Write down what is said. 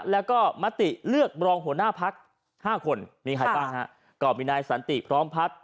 แล้วก็มติเลือกรองหัวหน้าพักห้าคนมีใครบ้างฮะก็มีนายสันติพร้อมพัฒน์